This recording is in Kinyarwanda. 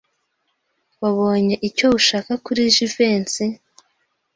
Wabonye icyo ushaka kuri Jivency?